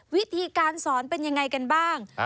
วิธีการสอนเป็นยังไงกันบ้าง